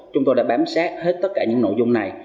chúng tôi đã bám sát hết tất cả những nội dung này